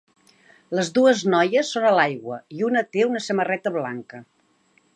Les dues noies són a l'aigua i una té una samarreta blanca